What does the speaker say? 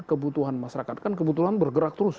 kebutuhan masyarakat kan kebetulan bergerak terus